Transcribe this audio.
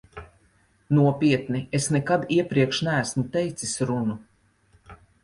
Nopietni, es nekad iepriekš neesmu teicis runu.